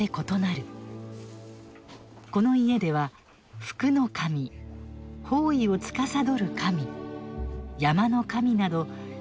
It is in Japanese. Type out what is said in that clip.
この家では福の神方位をつかさどる神山の神など１４の神々を祀る。